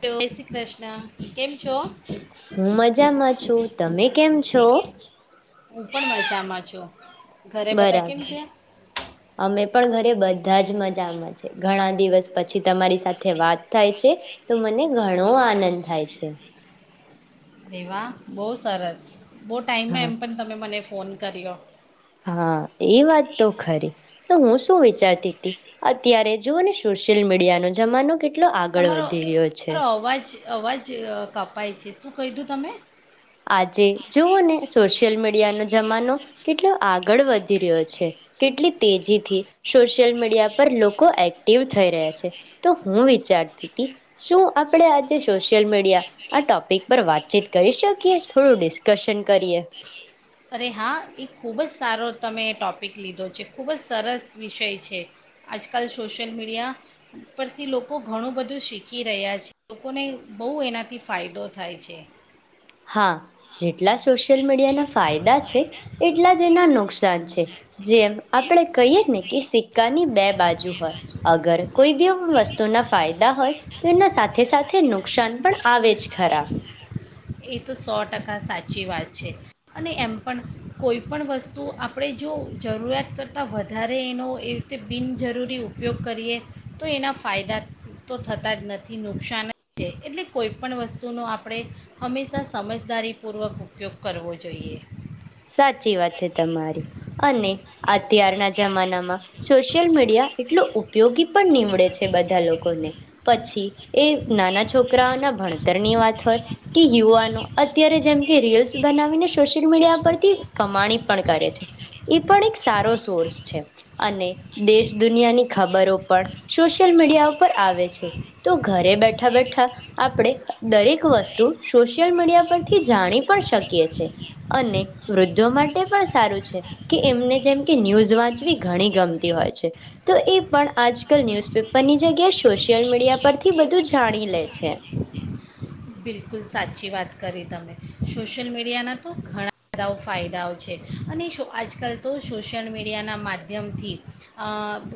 જય શ્રી કૃષ્ણ કેમ છો? હું મજામાં છું તમે કેમ [inaudible] છો હું પણ મજામાં છું. ઘરે બધા કેમ બરાબર, છે અમે પણ બઘ બધા જ મજામાં છે ઘણા દિવસ પછી તમારી સાથે વાત થાય છે, તો મને ઘણો આનંદ થાય છે. એવા બહુ સરસ. બહુ ટાઈમમાં હા એમ પણ તમે મને ફોન કર્યો હા એ વાત તો ખરી તો હું શું વિચારતી હતી અત્યારે જુઓ ને સોશિયલ મીડિયાનો જમાનો કેટલો આગળ તમારો વધી રહ્યો છે તમારો અવાજ અવાજ કાપ અપાય છે શું કહીધું તમે આજે જોવઓ ને સોશિયલ મીડિયાનો જમાનો કેટલો આગળ વધી રહ્યો છે કેટલી તેજીથી સોશિયલ મીડિયા પર લોકો એક્ટિવ થઈ રહ્યા છે તો હું વિચારતી હતી શું આપણે આજે સોશિયલ મીડિયા આ ટોપિક પર વાતચીત કરી શકીએ થોડું ડિસ્કશન કરીએ અરે હા એ ખૂબ જ સારો તમે ટોપિક લીધો છે ખૂબ જ સરસ વિષય છે આજકાલ સોશયલ મીડિયા પરથી લોકો ઘણું બધું શીખી રહ્યા છે લોકોને બહુ એનાથી ફાયદો થાય છે હા જે જેટલા સોશિયલ મીડિયા ના ફાયદા છે એટલા જ એના નુકશા ન છે જેમ આપડે કહીએ ને કે સિક્કાની બે બાજુ હોય અગર કોઈ બ વસ્તુના ફાયદા હોય તો એના સાથે સાથે નુકસાન પણ આવે જ ખરા એ તો સો ટકા સાચી વાત છે અને એમ પણ કોઈ પણ વસ્તુ આપણે જો જરૂરિયાત કરતાં વધારે એનો એ રીતે બિનજરૂરી ઉપયોગ કરીએ તો એના ફાયદા તો થતા જ નથી નુકસાન જ છે એટલે કોઈ પણ વસ્તુનો આપણે હંમેશાં સમજદારીપૂર્વક ઉપયોગ કરવો જોઈએ સાચી વાત છે તમારી અને અત્યારના જમાનામાં સોશિયલ મીડ મીડિયા એટલો ઉપયોગી પણ નીમડે છે બધા લોકોને પછી એ નાના છોકરાઓના ભણતરની વાત હોય કે યુવાનો અત્યારે જેમ કે રીલ્સ બનાવીને સોશિયલ મીડિયા કમાણી પણ કરે છે એ પણ એક સારો સોર્સ છે અને દેશ દુનિયાની ખબરો પણ સોશિયલ મીડિયા ઉપર આવે છે તો ઘરે બેઠા બેઠા આપણે દરેક વસ્તુ સોશિયલ મીડિયા પરથી જાણી પણ શકીએ છે અને વૃદ્ધો માટે પણ સારું છે કે એમને જેમ કે ન્યૂઝ વાંચવી ઘણી ગમતી હોય છે તો એ પણ આજ કલ ન્યૂઝપેપરની જગ્યા સોશિયલ મીડિયા પરથી બધું જાણી લે છે બિલકુલ સાચી વાત કરી તમે સોશિયલ મીડિયાના તો ઘણા બધા ફાયદાઓ છે અને આજકાલ તો સોશિયલ મીડિયાના માધ્યમથી અ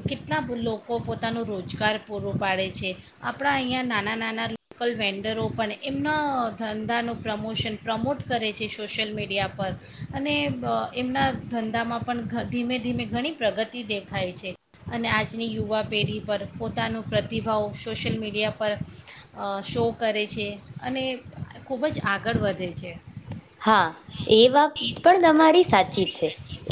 કેટલા લોકો પોતાનું રોજગાર પૂરો પાડે છે આપણાં અહીંયા નાના નાના લોકલ વેન્ડરો પણ એમના ધંધાનું પ્રમોશન પ્રમોટ કરે છે સોશિયલ મીડિયા પર અને બ એમના ધંધામાં પણ ધીમે ધીમે ઘણી પ્રગતિ દેખાય છે અને આજની યુવા પેઢી પર પોતાનો પ્રતિભાવ સોશિયલ મીડિયા પર અ શો કરે છે અને ખૂબ જ આગળ વધે છે હા એ વાત પણ તમારી સાચી છે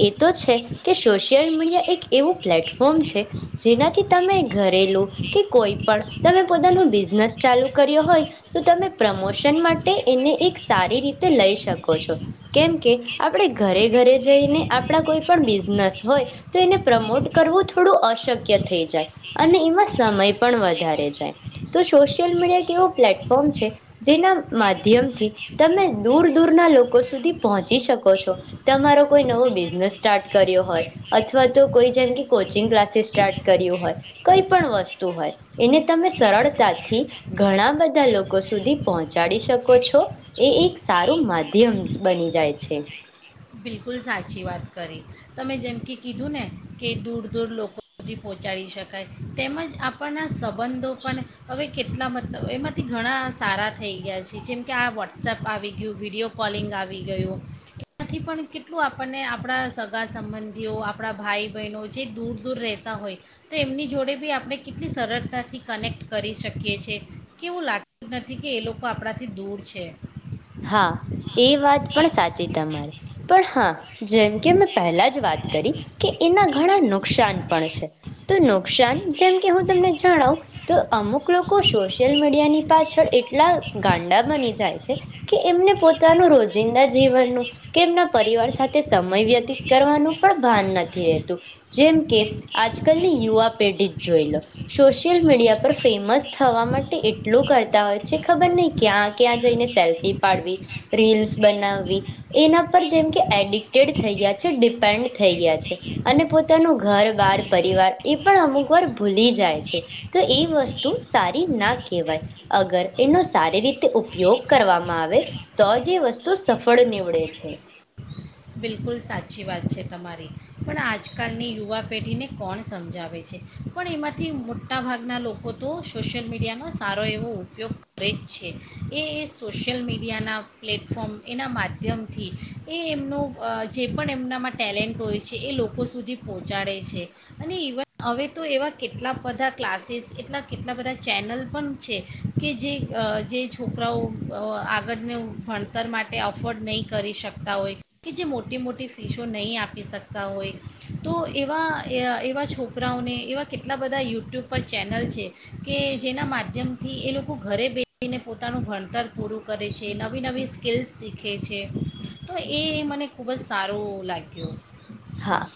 એ તો છે કે સોશિયલ મીડિયા એક એવું પ્લેટફોમ ફોમ છે જેનાથી તમે ઘરેલું કે કોઈ પણ તમે પોતાનું બિઝનેસ ચાલુ કર્યો હોય તો તમે પ્રમોશન માટે એને એક સારી રીતે લઈ શકો છો કેમકે આપણે ઘરે ઘરે જઈને આપણા કોઈ પણ બિઝનેસ હોય તો એને પ્રમોટ કરવું થોડું અશક્ય થઈ જાય અને એમાં સમય પણ વધારે જાય તો સોશિયલ મીડિયા એક એવો પ્લેટફોર્મ છે જેના માધ્યમથી તમે દૂર દૂરના લોકો સુધી પહોંચી શકો છો તમારો કોઈ નવો બિઝનેસ સ્ટાર્ટ કર્યો હોય અથવા તો કોઈ જેમ કે કોચિંગ ક્લાસીસ સ્ટાર્ટ કર્યું હોય કઈ પણ વસ્તુ હોય એને તમે સરળતાથી ઘણા બધા લોકો સુધી સારું માધ્યમ બની જાય છે બિલકુલ સાચી વાત કરી તમે જેમ કે કીધું ને કે દૂર દૂર લોકો સુધી પહોંચાડી શકાય તેમજ આપણના સંબંધો પણ હવે કેટલા મતલબ એમાંથી ઘણા સારા થઈ ગયા છે જેમકે આ વોટ્સએપ આવી ગયું વિડીયો કોલિંગ આવી ગયું એમાંથી પણ કેટલું આપણને આપણા સગા સંબંધીઓ આપણા ભાઈ બહેનો જે દૂર દૂર રહેતા હોય તો એમની જોડે બી આપણે કેટલી સરળતાથી કનેક્ટ કરી શકીએ છે કે એવું લાગતું જ નથી કે એ લોકો આપણાથી દૂર છે હા એ વાત પણ સાચી તમારી પણ હા જેમ કે મેં પહેલા જ વાત કરી કે એના ઘણા નુકસાન પણ છે તો નુકસાન જેમ કે હું તમને જણાવ તો અમુક લોકો સોશિયલ મીડિયાની પાછળ એટલા ગાંડા બની જાય છે કે એમને પોતાનું રોજિંદા જીવનનું કે એમના પરિવાર સાથે સમય વ્યતીત કરવાનું પણ ભાન નથી રહેતું જેમ કે આજકાલની યુવા પેઢી જોઈ લો સોશિયલ મીડિયા પર ફેમસ થવા માટે એટલું કરતા હોય છે ખબર નહી ક્યાં ક્યાં જઈને સેલ્ફી પાડવી રીલ્સ બનાવવી એના પર જેમ કે એડિક્ટેડ થઈ ગયા છે ડિપેન્ડ થઈ ગયા છે અને પોતાનું ઘર બાર પરિવાર એ પણ અમુક વાર ભૂલી જાય છે તો એ વસ્તુ સારી ના કહેવાય અગર એનો સારી રીતે ઉપયોગ કરવામાં આવે તો જ વસ્તુ સફળ નીવડે છે બિલકુલ સાચી વાત છે તમારી પણ આજકાલની યુવાક પેઢીને કોણ સમજાવે છે પણ એમાંથી મોટા ભાગના લોકો તો સોશિયલ મીડિયાનો સારો એવો ઉપયોગ કરે જ છે એ એ સોશિ્યલ મીડિયાના પ્લેટફોર્મ એના માધ્યમથી એ એમનો અ જે પણ એમનામાં ટેલેન્ટ હોય છે એ લોકો સુધી પહોંચાડે છે અને ઇવન હવે તો એવા કેટલા બધા ક્લાસીસ એટલા કેટલા બધા ચેનલ પણ છે કે જે છોકરાઓ અ આગળને ભણતર માટે અફોર્ડ નહીં કરી શકતા હોય કે જે મોટી મોટી ફીશો નહીં આપી શકતા હોય તો એવા એવા છોકરાઓને એવા કેટલા બધા યુટ્યુબ પર ચેનલ છે કે જેના માધ્યમથી એ લોકો ઘરે બેસીને પોતાનું ભણતર પૂરું કરે છે નવી નવી સ્કલ્સ શીખે છે તો એ મને ખૂબ જ સારો લાગ્યો હા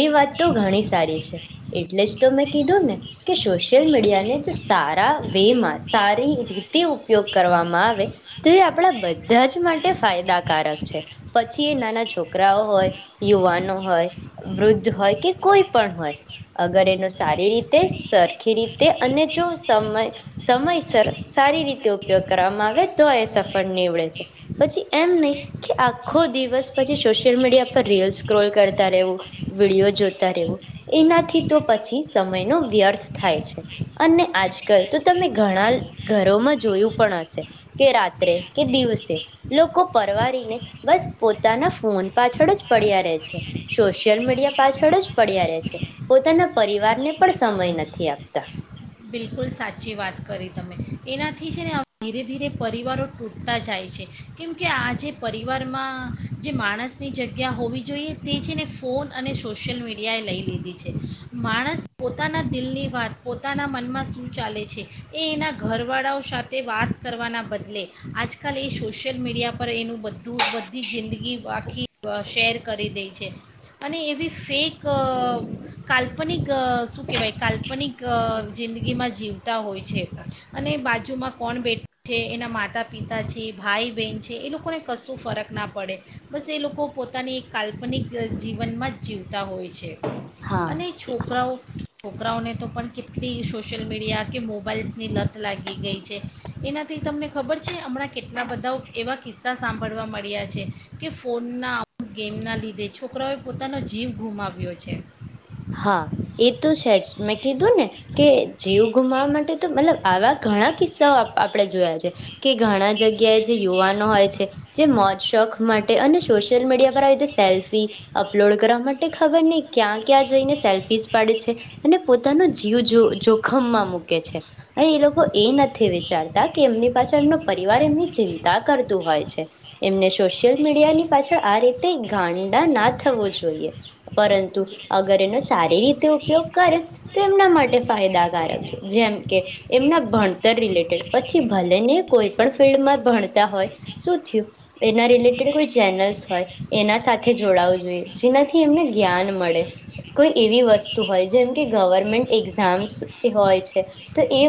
એ વાત તો ઘણી સારી છે એટલે જ તો મેં કીધું ને કે સોશિયલ મીડિયાને જો સારા વે માં સારી રીતે ઉપયોગ કરવામાં આવે તો એ આપણા બધા ધાજ માટે ફાયદાકારક છે પછી એ નાના છોકરાઓ હોય યુવાનો વૃદ્ધ હોય કે કોઈ પણ હોય અગર એનો સારી રીતે સરખી રીતે અને જો સમય સમયસર સારી રીતે ઉપયોગ કરવામાં આવે તો એ સફળ નીવડે છે પછી એમ નહી કે આખો દિવસ પછી સોશિયલ મીડિયા પર રીલ સ્ક્રોલ કરતા જોતા રેવું વિડીયો જોતા રહેવું એનાથી તો પછી સમય ન વ્યર્થ થાય છે અને આજકાલ તો તમે ઘણા ઘરોમાં જોયું પણ હશે કે રાત્રે કે દિવસે લોકો પરવારીને બસ પોતાના ફોન પાછળ જ પડ્યા રહે છે સોશિયલ મીડિયા પાછળ જ પડ્યા રહે છે પોતાના પરિવારને પણ સમય નથી આપતા બિલકુલ સાચી વાત કરી તમે એનાથી છે ને ધીરે ધીરે પરિવારો તૂટતા જાય છે કેમકે આ જે પરિવારમાં જે માણસની જગ્યા હોવી જોઈએ તે છે ને ફોન અને સોશિયલ મીડિયાએ લઈ લીધી છે માણસ પોતાના દિલની વાત પો પોતાના મનમાં શું ચાલે છે એ એના ઘરવાળાઓ સાથે વાત કરવાના બદલે આજકાલ એ સોશિયલ મીડિયા પર એનું બધું બધી જિંદગી આખી શેર કરી દે છે અને એવી ફેક અ કાલ્પનિક અ શું કહેવાય કાલ્પનિક જિંદગીમાં જીવતા હોય છે અને બાજુમાં કોણ બેઠા છે એના માતા પિતા છે ભાઈ બહેન છે એ લોકોને કશું ફરક ના પડે બસ એ લોકો પોતાની કાલ્પનિક જીવનમાં જ જીવતા હોય છે હા અને છોકરાઓ છોકરાઓને તો પણ કેટલી સોશિયલ મીડિયા કે મોબાઈલ્સની લત લાગી ગઈ છે એનાથી તમને ખબર છે હમણાં કેટલા બધા એવા કિસ્સા સાંભળવા મળ્યા છે કે ફોનના ગેમના લીધે છોકરાઓએ પોતાનો જીવ ગુમાવ્યો છે હા એ તો છે જ મેં કીધું ને કે જીવ ગુમાવા માટે તો મતલબ આવા ઘણા કિસ્સાઓ આપણે જોયા છે કે ઘણા જગ્યાએ જે યુવાનો હોય છે જે મોત શોખ માટે અને સોશિયલ મીડિયા પર આવી રીતે સેલ્ફી અપલોડ કરવા માટે ખબર નહી ક્યાં ક્યાં જાયને સેલ્ફી પાડે છે અને પોતાનો જીવ જો જોખમમાં મૂકે છે અ એ લોકો એ નથી વિચારતા કે એમની પાછળ એમનો પરિવાર એમની ચિંતા કરતું હોય છે એમને સોશિયલ મીડિયાની પાછળ આ રીતે ગાંડા ના થવો જોઈએ પરંતુ અગર એનો સારી રીતે ઉપયોગ કરે તો એમના માટે ફાયદાકારક છે જેમ કે એમના ભણતર રિલેટેડ પછી ભલે ને કોઈ પણ ફિલ્ડમાં ભણતા હોય શું થયું એના રિલેટેડ કોઈ ચેનલ્સ હોય એના સાથે જોડાવું જોઈએ જેનાથી એમને જ્ઞાન મળે કોઈ એવી વસ્તુ હોય જેમ કે ગવર્મેન્ટ એક્ઝામ્સ હોય છે તો એ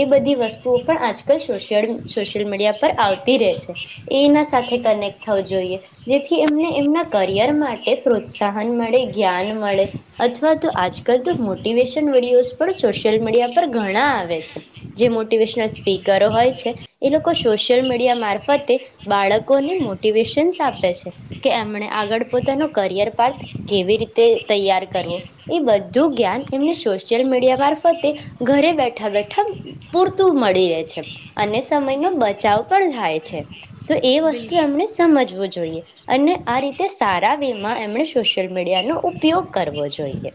એ બધી વસ્તુઓ પણ આજકાલ સોય સોશિયલ મીડિયા પર આવતી રહે છે એના સાથે કનેક્ટ થવું જોઈએ જેથી એમને એમના કરિયર માટે પ્રોત્સાહન મળે જ્ઞાન મળે અથવા તો આજકાલ તો મોટિવેશન વિડયોસ પણ સોશિયલ મીડિયા પર ઘણા આવે છે જે મોટિવેશનલ સ્પીકરો હોય છે એ લોકો સોશિયલ મીડિયા મારફતે બાળકોને મોટિવેશન્સ આપે છે કે એમને આગળ પોતાનો કરિયર પાર્થ કેવી રીતે તે તૈયાર કરવો એ બધું જ્ઞાન એમને સોશિયલ મીડિયા મારફતે ઘરે બેઠા બેઠા પૂરતું મળી રહે છે અને સમયનો બચાવ પણ થાય છે તો એ બિલકુલ વસ્તુ એમણે સમજવું જોઈએ જોયે અને આ રીતે સારા વેમાં એમણે સોશિયલ મીડિયાનો ઉપયોગ કરવો જોઈએ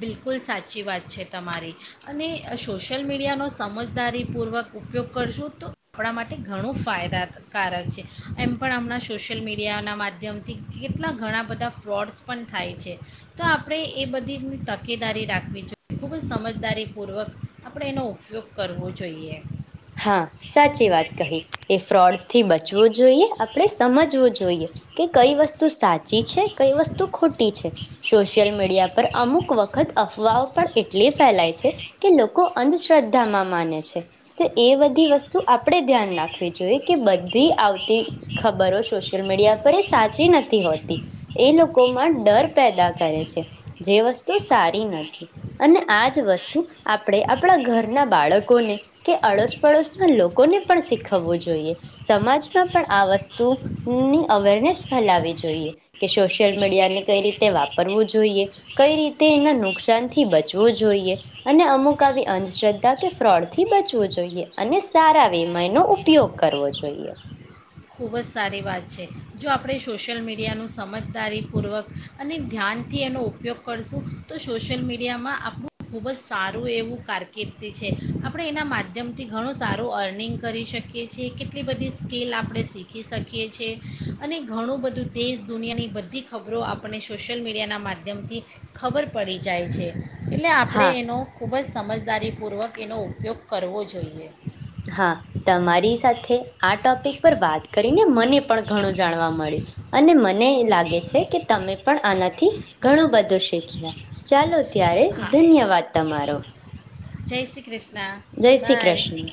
બિલકુલ સાચી વાત છે તમારી અને સોશિયલ મીડિયાનો સમજદારીપૂર્વક ઉપયોગ કરશું તો આપણા માટે ઘણું ફાયદાકારક છે એમ પણ હમણાં સોશિયલ મીડિયાના માધ્યમથી કેટલા ઘણા બધા ફ્રોડ્સ પણ થાય છે તો આપણે એ બધી તકેદારી રાખવી જોઈએ ખૂબ જ સમજદારીપૂર્વક આપણે એનો ઉપયોગ કરવો જોઈએ હા સાચી વાત કહી એ ફ્રોડ થી બ જોઈએ આપણે સમજવું જોઈએ કે કઈ વસ્તુ સાચી છે કઈ વસ્તુ ખોટી છે સોશિયલ મીડિયા પર અમુક વખત અફવાઓ પણ એટલી ફેલાય છે કે લોકો અંધશ્રદ્ધામાં માને છે. તો એ બધી વસ્તુ આપણેે ધ્યાન રાખવી જોઈએ કે બધી આવતી ખબરો સોશિયલ મીડિયા પર એ સાચી નથી હોતી એ લોકોમાં ડર પેદા કરે છે જે વસ્તુ સારી નથી અને આજ વસ્તુ આપણે આપણા ઘરના બાળકોને. કે અડોશપડોશના લોકોને પણ શીખવવું જોઈએ સમાજમાં પણ આ વસ્તુની અવેરનેસ ફેલાવી જોઈએ કે સોશિયલ મીડિયાને કઈ રીતે વાપરવું જોઈએ કઈ રીતે એના નુકસાનથી બચવું જોઈએ અને અમુક આવી અંધશ્રદ્ધા કે ફ્રોડથી બચ. જોઈએ અને સારા વેમા એનો ઉપયોગ કરવો જોઈએ. ખૂબ જ સારી વાત છે જો આપણે સોશિયલ મીડિયાનું સમજદારીપૂર્વક અને ધ્યાનથી એનો ઉપયોગ કરશું તો સોશિયલ મીડિયામાં આપણું ખૂબ જ સારું એવું કારકિર્દી છે આપણે એના માધ્યમથી ઘણું સારું અર્નિંગ કરી શકીએ છીએ કેટલી બધી સ્કીલ આપણે. શીખી શકીએ છીએ અને ઘણું બધું દેશ દુનિયાની બધી ખબરો આપણને સોશિયલ મીડિયાના માધ્યમથી ખબર પડી જાય છે. એટલે આપણે હા એનો ખૂબ જ સમજ. દારીપૂર્વક એનો ઉપયોગ કરવો જોઈએ. હા તમારી સાથે આ ટોપિક પર વાત કરીને મને. પણ ઘણું જાણવા મળ્યું. અને મને. મને એ લાગે છે કે તમે. પણ આનાથી ઘણું બધું શીખ્યા. ચાલો ત્યારે હા ધન્યવાદ તમારો. જય શ્રી કૃષ્ણ. જય શ્રી બાય કૃષ્ણ.